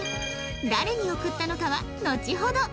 誰に送ったのかはのちほど